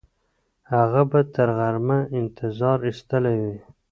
هغه به تر غرمه انتظار ایستلی وي.